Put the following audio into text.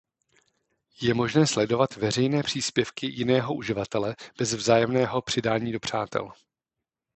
Je možné sledovat veřejné příspěvky jiného uživatele bez vzájemného „přidání do přátel“.